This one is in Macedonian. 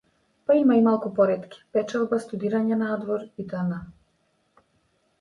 Па има и малку поретки, печалба, студирање надвор итн.